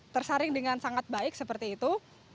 tersaring dengan sangat baik seperti itu